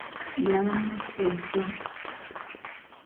Y'aba nassajja.